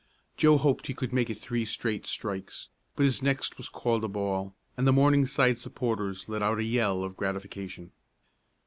Joe hoped he could make it three straight strikes, but his next was called a ball, and the Morningside supporters let out a yell of gratification.